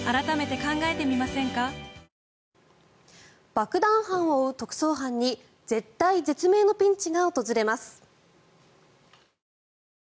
爆弾犯を追う特捜班に絶体絶命のピンチが訪れます。